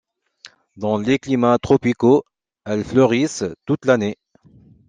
Dans les climats tropicaux, elles fleurissent toute l'année.